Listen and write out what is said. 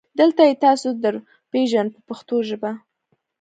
دلته یې تاسو ته درپېژنو په پښتو ژبه.